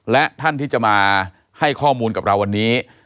และท่านที่จะมาให้ข้อมูลกับเราวันนี้